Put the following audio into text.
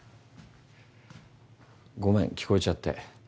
ごめん聞こえちゃって。